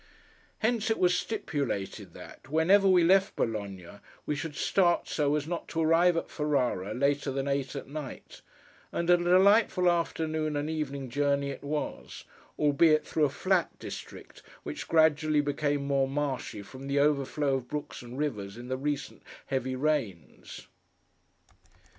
Hence it was stipulated, that, whenever we left Bologna, we should start so as not to arrive at Ferrara later than eight at night; and a delightful afternoon and evening journey it was, albeit through a flat district which gradually became more marshy from the overflow of brooks and rivers in the recent heavy rains.